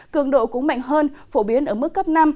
cường độ cũng mạnh hơn phổ biến ở mức cấp năm